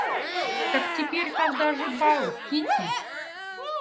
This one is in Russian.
Так теперь когда же бал, Кити?